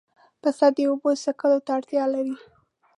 پسه د اوبو څښلو ته اړتیا لري.